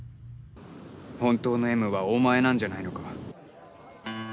本当のＭはお前なんじゃないのか？